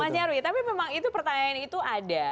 mas nyarwi tapi memang itu pertanyaan itu ada